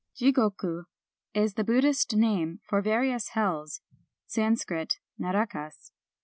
^ "Jigoku" is the Buddhist name for various hells (Sansc. narakas).